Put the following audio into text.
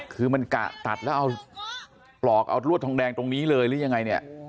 คือมันกะตัดแล้วเอาปลอกเอารวดทองแดงตรงนี้เลยหรือยังไงเนี่ย